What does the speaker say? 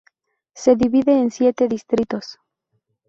Se divide en siete distritos.